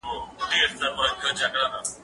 زه هره ورځ بازار ته ځم!.